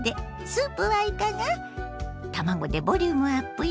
卵でボリュームアップよ！